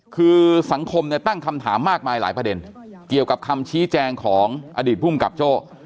คือสังคมเนี่ยตั้งคำถามมากมายหลายประเด็นเกี่ยวกับคำชี้แจงของอดีตภูมิกับโจ้